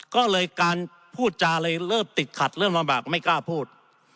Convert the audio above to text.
ก็เลยการพูดจาเลยเลิกติดขัดเรื่องบ้างไม่กล้าพูด